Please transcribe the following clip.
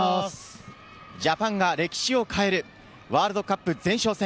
ジャパンが歴史を変える、ワールドカップ前哨戦。